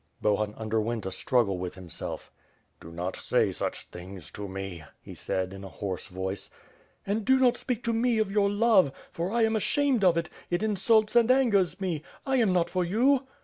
Bohun underwent a struggle with himself. "Do not say such things to me,'' he said in a hoarse voice. "And do not speak to me of your love, for I am ashamed of it; it insults and angers me! I am not for you."